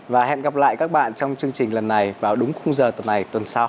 và hẹn gặp lại các bạn trong chương trình lần này vào đúng khung giờ tuần này tuần sau